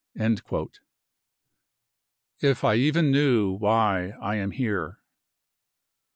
55 « If I even knew why I am here.